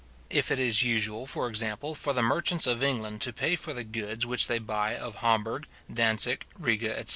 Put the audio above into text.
If it is usual, for example, for the merchants of England to pay for the goods which they buy of Hamburg, Dantzic, Riga, etc.